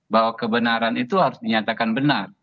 bahwa kebenaran itu harus dinyatakan benar